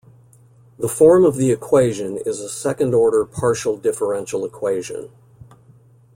The form of the equation is a second order partial differential equation.